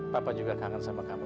papa juga kangen sama kamu